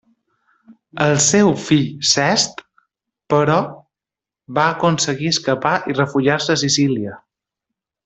El seu fill Sext, però, va aconseguir escapar i refugiar-se a Sicília.